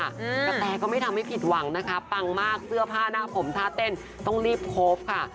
กระแตก็ไม่ทำให้ผิดหวังนะคะปังมากเสื้อผ้าหน้าผมท่าเต้นต้องรีบโค้ปค่ะ